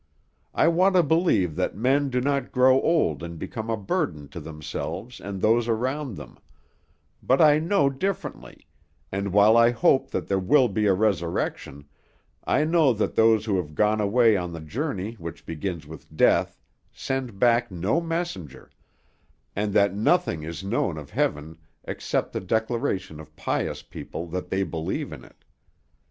I want to believe that men do not grow old and become a burden to themselves and those around them; but I know differently, and while I hope that there will be a resurrection, I know that those who have gone away on the journey which begins with death send back no messenger, and that nothing is known of heaven except the declaration of pious people that they believe in it.